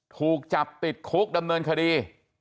ถูกจับติดคุกดำเนินคดี